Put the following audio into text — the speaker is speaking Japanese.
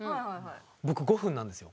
僕５分なんですよ。